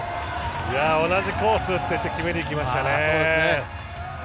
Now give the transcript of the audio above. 同じコースに打って決めにきましたね。